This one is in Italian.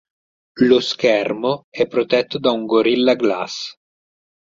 Lo schermo è protetto da un Gorilla Glass.